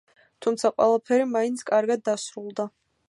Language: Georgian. თუმცა ყველაფერი მაინც კარგად დასრულდა.